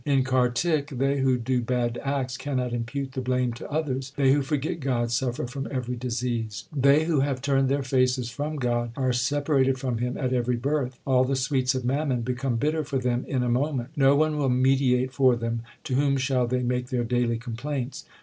In Kartik they who do bad acts cannot impute the blame to others. They who forget God suffer from every disease. 1 They give no previous intimation of their visit. 128 THE SIKH RELIGION They who have turned their faces from God, are separated from Him at every birth. All the sweets of mammon become bitter for them in a moment. No one will mediate for them ; to whom shall they make their daily complaints